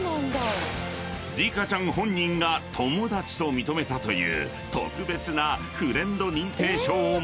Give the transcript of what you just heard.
［リカちゃん本人が友達と認めたという特別なフレンド認定証を持ち］